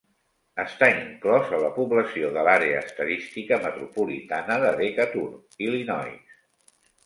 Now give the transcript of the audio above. Està inclòs a la població de l'Àrea estadística metropolitana de Decatur, Illinois.